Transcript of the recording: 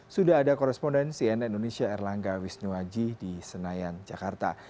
sudah ada korespondensi nn indonesia erlangga wisnuaji di senayan jakarta